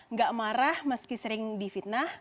nggak marah meski sering difitnah